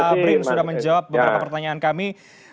pak brin sudah menjawab beberapa pertanyaan kami